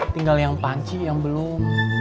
tinggal yang panci yang belum